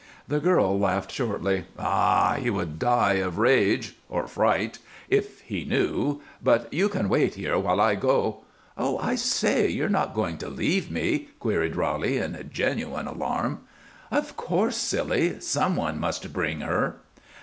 The girl laughed shortly. "Ah! He would die of rage or fright if he knew; but you can wait there while I go " "Oh, I say! You're not going to leave me?" queried Roly in genuine alarm. "Of course, silly! Some one must bring her."